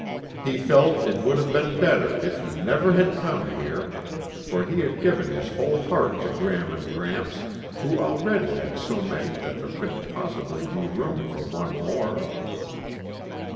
He felt it would have been better if he never had come here, for he had given his whole heart to Gram and Gramps who already had so many that there couldn't possibly be room for one more.